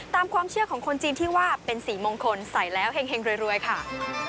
ตามความเชื่อของคนจีนที่ว่าเป็นสีมงคลใส่แล้วเห็งรวยค่ะ